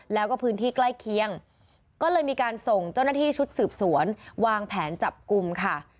แล้วก็พื้นที่ใกล้เคียงก็เลยมีการส่งเจ้าหน้าที่ชุดสืบสวนวางแผนจับกลุ่มค่ะ